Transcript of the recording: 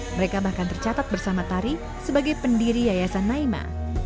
mereka bahkan tercatat bersama tari sebagai pendiri yayasan naima